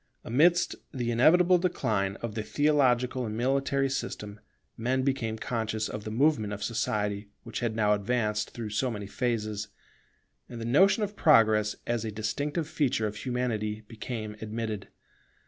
Amidst the inevitable decline of the theological and military system, men became conscious of the movement of society, which had now advanced through so many phases; and the notion of Progress as a distinctive feature of Humanity became admitted.